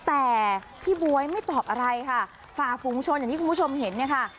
แต่พี่บ๊วยไม่ตอบอะไรค่ะฝ่าฝูงชนอย่างที่คุณผู้ชมเห็นเนี่ยค่ะ